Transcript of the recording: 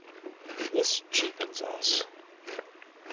This cheapens us.